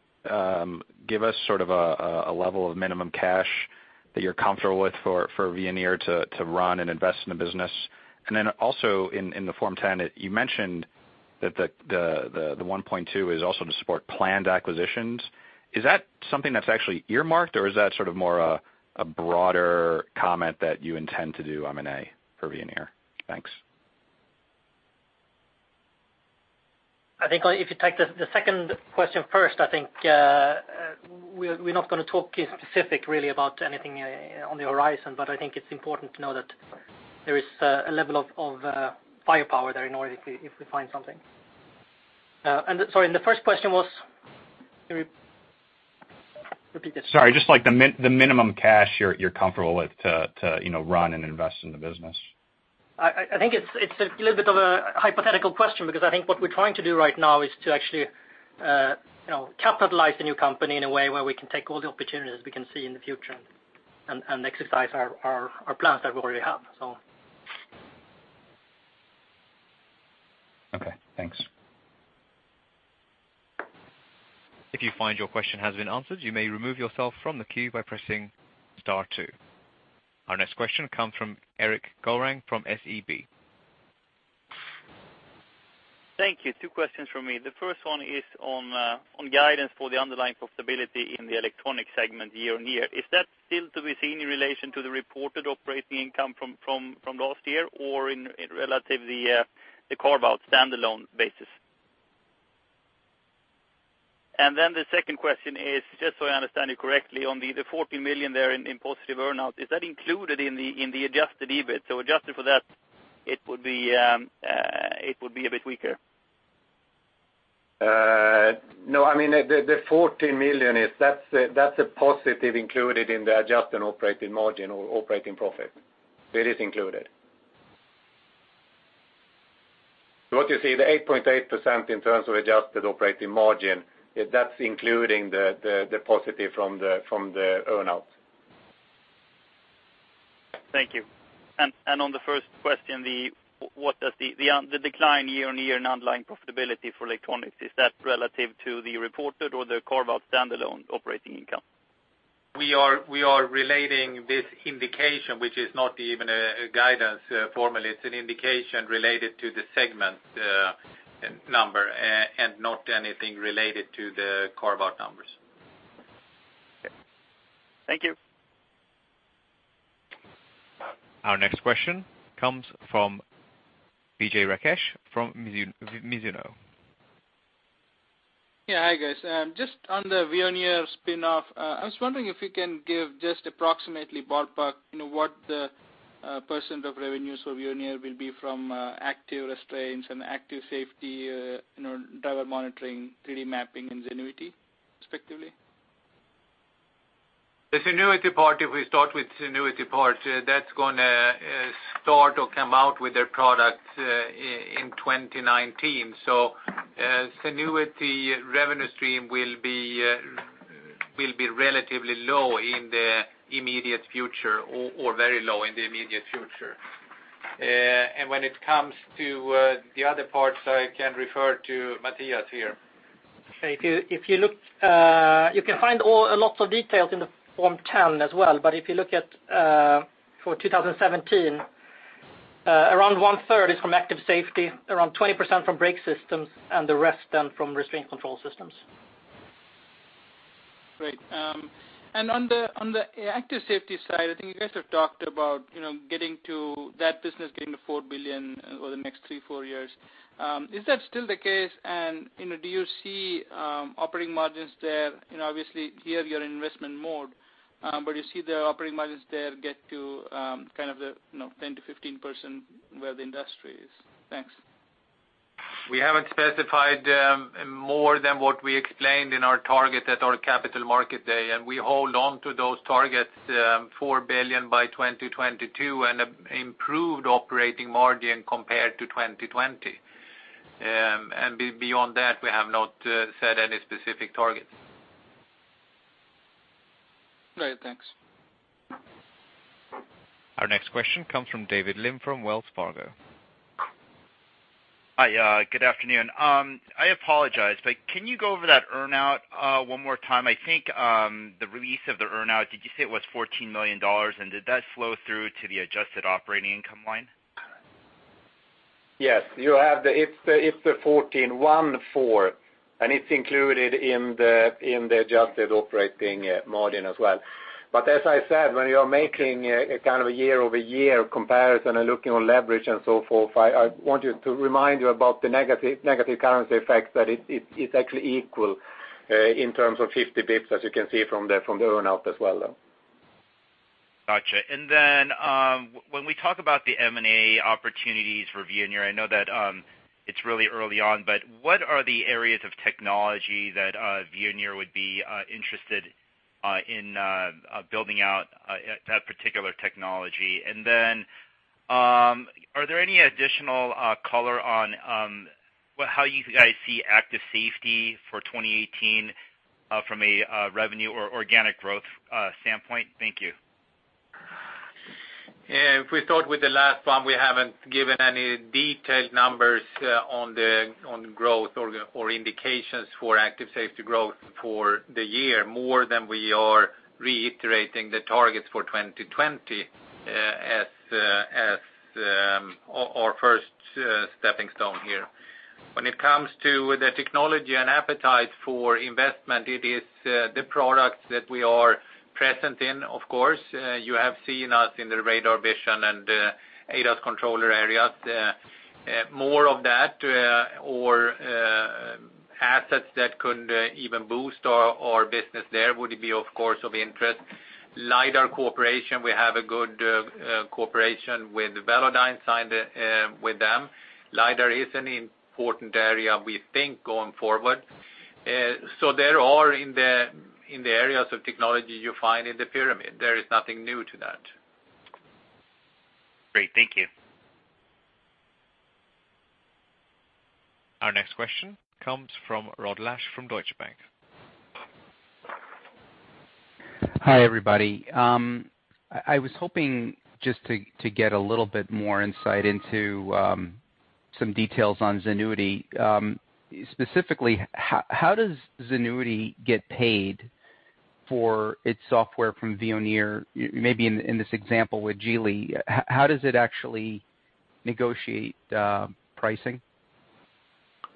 Speaker 13: give us sort of a level of minimum cash that you're comfortable with for Veoneer to run and invest in the business? Also in the Form 10, you mentioned that the 1.2 is also to support planned acquisitions. Is that something that's actually earmarked or is that sort of more a broader comment that you intend to do M&A for Veoneer? Thanks.
Speaker 6: I think if you take the 2nd question first, I think we're not going to talk specific really about anything on the horizon, but I think it's important to know that there is a level of firepower there in order if we find something. Sorry, the 1st question was? Can you repeat it?
Speaker 13: Sorry, just like the minimum cash you're comfortable with to run and invest in the business.
Speaker 6: I think it's a little bit of a hypothetical question because I think what we're trying to do right now is to actually capitalize the new company in a way where we can take all the opportunities we can see in the future and exercise our plans that we already have.
Speaker 13: Okay, thanks.
Speaker 1: If you find your question has been answered, you may remove yourself from the queue by pressing star two. Our next question comes from Erik Golrang from SEB.
Speaker 14: Thank you. two questions from me. The first one is on guidance for the underlying profitability in the electronic segment year-over-year. Is that still to be seen in relation to the reported operating income from last year or in relative the carve-out standalone basis? The second question is, just so I understand you correctly, on the $14 million there in positive earn-out, is that included in the adjusted EBIT? Adjusted for that, it would be a bit weaker.
Speaker 5: I mean, the $14 million, that's a positive included in the adjusted operating margin or operating profit. That is included. What you see, the 8.8% in terms of adjusted operating margin, that's including the positive from the earn-out.
Speaker 14: Thank you. On the first question, the decline year-over-year in underlying profitability for electronics, is that relative to the reported or the carve-out standalone operating income?
Speaker 5: We are relating this indication, which is not even a guidance formally. It's an indication related to the segment number and not anything related to the carve-out numbers.
Speaker 14: Okay. Thank you.
Speaker 1: Our next question comes from Vijay Rakesh from Mizuho.
Speaker 15: Yeah. Hi, guys. Just on the Veoneer spin-off, I was wondering if you can give just approximately ballpark what the % of revenues for Veoneer will be from active restraints and active safety, driver monitoring, 3D mapping, and Zenuity respectively.
Speaker 3: The Zenuity part, if we start with Zenuity part, that's going to start or come out with their product in 2019. Zenuity revenue stream will be relatively low in the immediate future or very low in the immediate future. When it comes to the other parts, I can refer to Mathias here.
Speaker 6: Okay. You can find lots of details in the Form 10 as well. If you look at for 2017, around one-third is from active safety, around 20% from brake systems, and the rest then from restraint control systems.
Speaker 15: Great. On the active safety side, I think you guys have talked about that business getting to $4 billion over the next three, four years. Is that still the case? Do you see operating margins there? Obviously here you're in investment mode, but you see the operating margins there get to kind of the 10%-15% where the industry is. Thanks.
Speaker 3: We haven't specified more than what we explained in our target at our Capital Markets Day, we hold on to those targets, $4 billion by 2022, improved operating margin compared to 2020. Beyond that, we have not set any specific targets.
Speaker 15: Great. Thanks.
Speaker 1: Our next question comes from David Lim from Wells Fargo.
Speaker 16: Hi. Good afternoon. I apologize. Can you go over that earn-out one more time? I think the release of the earn-out, did you say it was $14 million, did that flow through to the adjusted operating income line?
Speaker 3: Yes. It's the 14, one, four. It's included in the adjusted operating margin as well. As I said, when you're making a kind of a year-over-year comparison looking on leverage and so forth, I want you to remind you about the negative currency effects that it's actually equal in terms of 50 basis points, as you can see from the earn-out as well, though.
Speaker 16: Got you. When we talk about the M&A opportunities for Veoneer, I know that it's really early on. What are the areas of technology that Veoneer would be interested in building out that particular technology? Are there any additional color on how you guys see active safety for 2018 from a revenue or organic growth standpoint? Thank you.
Speaker 3: If we start with the last one, we haven't given any detailed numbers on growth or indications for active safety growth for the year, more than we are reiterating the targets for 2020 as our first stepping stone here. When it comes to the technology and appetite for investment, it is the products that we are present in, of course. You have seen us in the radar vision and ADAS controller areas. More of that, or assets that could even boost our business there would be, of course, of interest. LIDAR cooperation, we have a good cooperation with Velodyne signed with them. LIDAR is an important area we think going forward. They're all in the areas of technology you find in the pyramid. There is nothing new to that.
Speaker 16: Great. Thank you.
Speaker 1: Our next question comes from Rod Lache from Deutsche Bank.
Speaker 17: Hi, everybody. I was hoping just to get a little bit more insight into some details on Zenuity. Specifically, how does Zenuity get paid for its software from Veoneer? Maybe in this example with Geely, how does it actually negotiate pricing?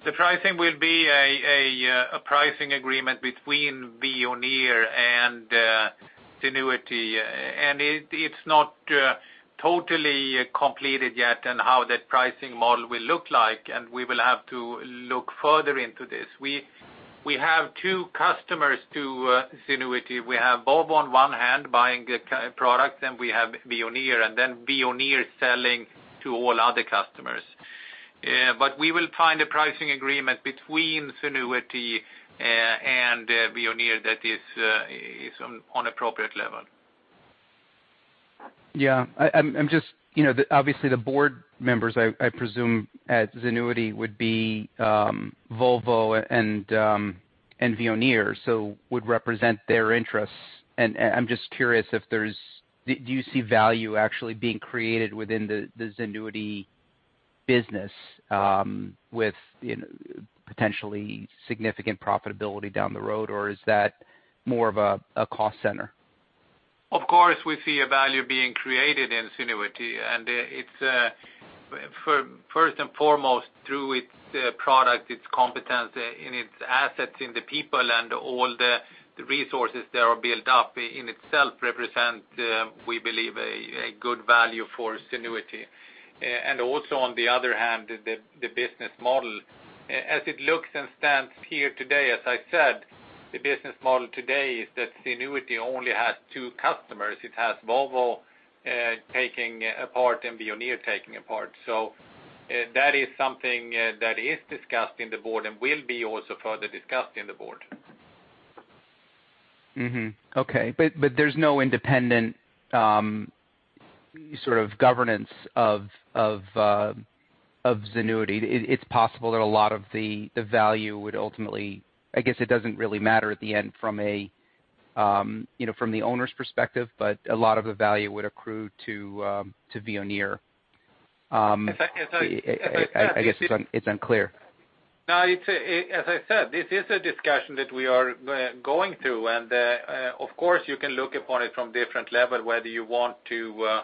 Speaker 3: The pricing will be a pricing agreement between Veoneer and Zenuity. It's not totally completed yet on how that pricing model will look like, and we will have to look further into this. We have two customers to Zenuity. We have Volvo on one hand buying a product, then we have Veoneer, and then Veoneer selling to all other customers. We will find a pricing agreement between Zenuity and Veoneer that is on appropriate level.
Speaker 17: Yeah. Obviously, the board members, I presume, at Zenuity would be Volvo and Veoneer, would represent their interests. I'm just curious, do you see value actually being created within the Zenuity business with potentially significant profitability down the road, or is that more of a cost center?
Speaker 3: Of course, we see a value being created in Zenuity, it's first and foremost through its product, its competence, and its assets in the people and all the resources that are built up in itself represent, we believe, a good value for Zenuity. Also, on the other hand, the business model. As it looks and stands here today, as I said, the business model today is that Zenuity only has two customers. It has Volvo taking a part and Veoneer taking a part. That is something that is discussed in the board and will be also further discussed in the board.
Speaker 17: Mm-hmm. Okay. There's no independent sort of governance of Zenuity. It's possible that a lot of the value would ultimately, I guess it doesn't really matter at the end from the owner's perspective, but a lot of the value would accrue to Veoneer.
Speaker 3: As I said.
Speaker 17: I guess it's unclear.
Speaker 3: No. As I said, this is a discussion that we are going through. Of course, you can look upon it from different level, whether you want to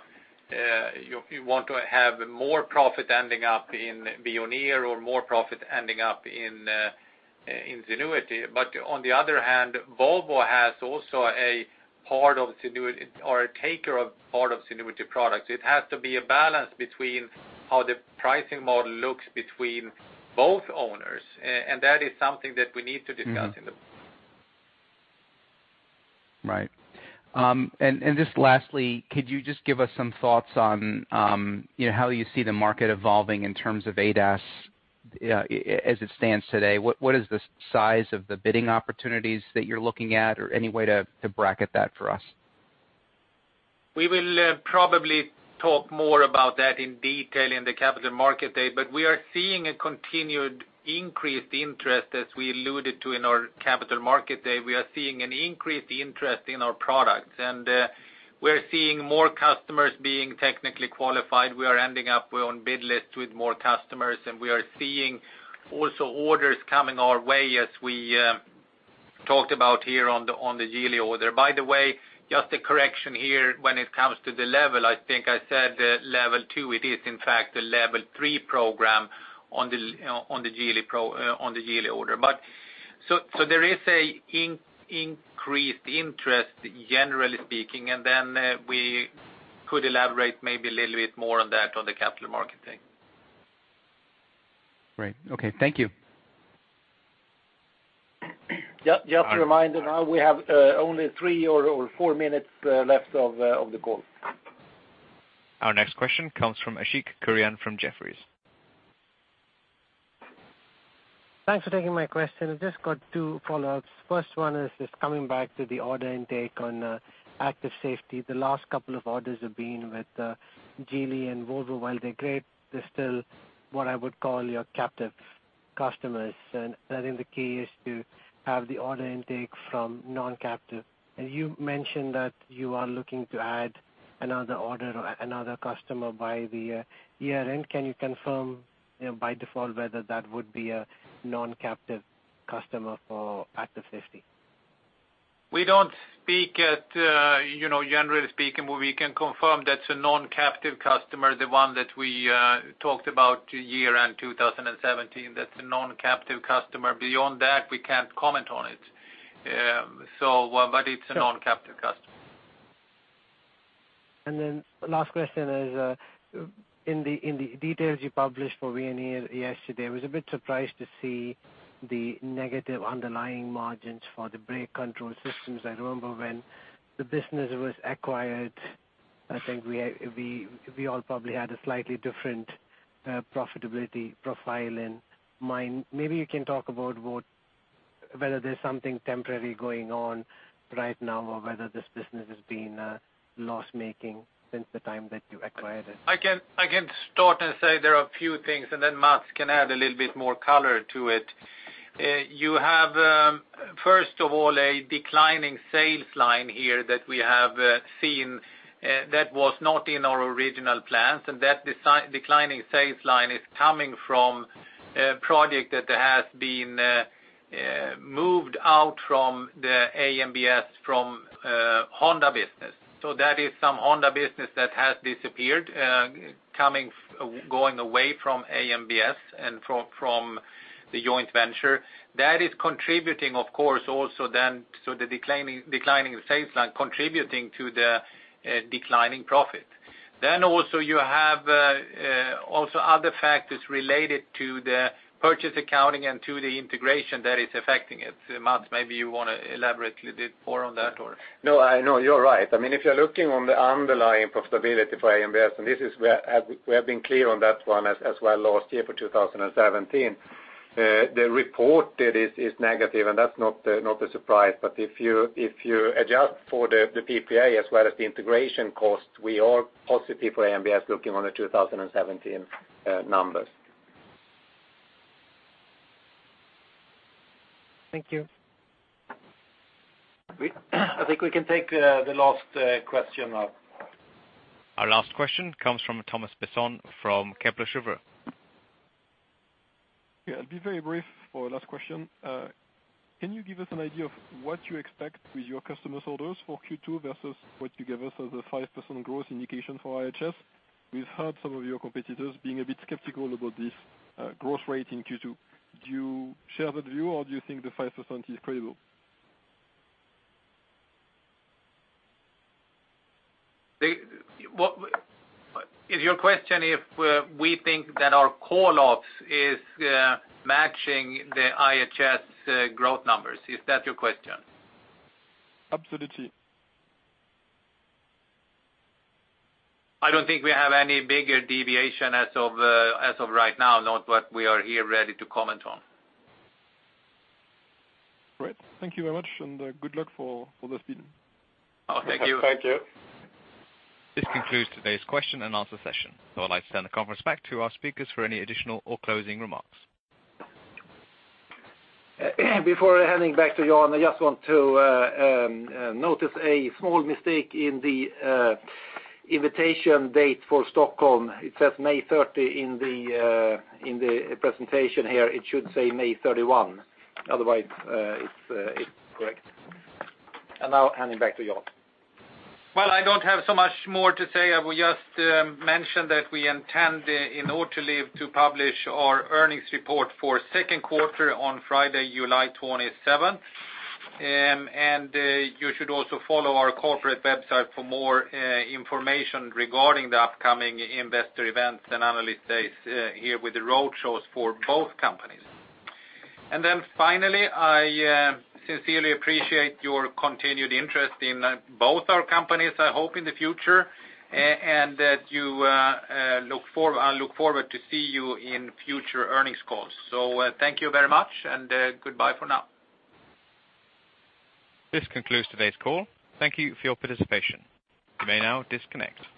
Speaker 3: have more profit ending up in Veoneer or more profit ending up in Zenuity. On the other hand, Volvo has also a part of Zenuity or a taker of part of Zenuity products. It has to be a balance between how the pricing model looks between both owners, and that is something that we need to discuss in the board.
Speaker 17: Right. Just lastly, could you just give us some thoughts on how you see the market evolving in terms of ADAS as it stands today? What is the size of the bidding opportunities that you're looking at, or any way to bracket that for us?
Speaker 3: We will probably talk more about that in detail in the Capital Markets Day, but we are seeing a continued increased interest as we alluded to in our Capital Markets Day. We are seeing an increased interest in our products, and we are seeing more customers being technically qualified. We are ending up on bid lists with more customers, and we are seeing also orders coming our way as we talked about here on the Geely order. By the way, just a correction here when it comes to the level, I think I said Level 2. It is, in fact, a Level 3 program on the Geely order. There is an increased interest, generally speaking, and we could elaborate maybe a little bit more on that on the Capital Markets Day. Great. Okay. Thank you. Just a reminder, now we have only three or four minutes left of the call.
Speaker 1: Our next question comes from Ashik Kurian from Jefferies.
Speaker 18: Thanks for taking my question. I've just got two follow-ups. First one is just coming back to the order intake on active safety. The last couple of orders have been with Geely and Volvo. While they're great, they're still what I would call your captive customers. I think the key is to have the order intake from non-captive. You mentioned that you are looking to add another order or another customer by the year-end. Can you confirm by default whether that would be a non-captive customer for active safety?
Speaker 3: Generally speaking, we can confirm that's a non-captive customer, the one that we talked about year-end 2017. That's a non-captive customer. Beyond that, we can't comment on it. It's a non-captive customer.
Speaker 18: Last question is, in the details you published for Veoneer yesterday, I was a bit surprised to see the negative underlying margins for the brake control systems. I remember when the business was acquired, I think we all probably had a slightly different profitability profile in mind. Maybe you can talk about whether there's something temporary going on right now, or whether this business has been loss-making since the time that you acquired it.
Speaker 3: I can start and say there are a few things, and then Mats can add a little bit more color to it. You have, first of all, a declining sales line here that we have seen that was not in our original plans, and that declining sales line is coming from a project that has been moved out from the AMBS from Honda business. That is some Honda business that has disappeared, going away from AMBS and from the joint venture. That is contributing, of course, so the declining sales line contributing to the declining profit. You have other factors related to the purchase accounting and to the integration that is affecting it. Mats, maybe you want to elaborate a little bit more on that or? No, you're right. If you're looking on the underlying profitability for AMBS, and we have been clear on that one as well last year for 2017, the report there is negative, and that's not a surprise. If you adjust for the PPA as well as the integration cost, we are positive for AMBS looking on the 2017 numbers.
Speaker 18: Thank you.
Speaker 3: I think we can take the last question now.
Speaker 1: Our last question comes from Thomas Besson from Kepler Cheuvreux.
Speaker 19: Yeah, I'll be very brief for our last question. Can you give us an idea of what you expect with your customers' orders for Q2 versus what you gave us as a 5% growth indication for IHS? We've heard some of your competitors being a bit skeptical about this growth rate in Q2. Do you share that view, or do you think the 5% is credible?
Speaker 3: Is your question if we think that our core ops is matching the IHS growth numbers? Is that your question?
Speaker 19: Absolutely.
Speaker 3: I don't think we have any bigger deviation as of right now. Not what we are here ready to comment on.
Speaker 19: Great. Thank you very much, and good luck for the spin.
Speaker 3: Thank you.
Speaker 1: This concludes today's question and answer session. I would like to turn the conference back to our speakers for any additional or closing remarks.
Speaker 2: Before handing back to Jan, I just want to note a small mistake in the invitation date for Stockholm. It says May 30 in the presentation here, it should say May 31. Otherwise, it's correct. Now handing back to Jan. Well, I don't have so much more to say. I will just mention that we intend, in Autoliv, to publish our earnings report for second quarter on Friday, July 27th. You should also follow our corporate website for more information regarding the upcoming investor events and analyst days here with the road shows for both companies. Finally, I sincerely appreciate your continued interest in both our companies, I hope in the future, and that I look forward to see you in future earnings calls. Thank you very much, and goodbye for now.
Speaker 1: This concludes today's call. Thank you for your participation. You may now disconnect.